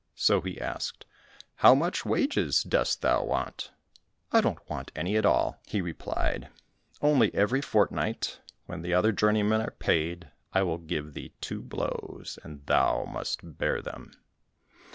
So he asked, "How much wages dost thou want?" "I don't want any at all," he replied, "only every fortnight, when the other journeymen are paid, I will give thee two blows, and thou must bear them."